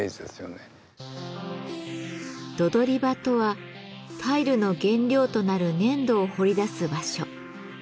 「土採り場」とはタイルの原料となる粘土を掘り出す場所。